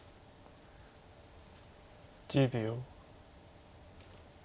１０秒。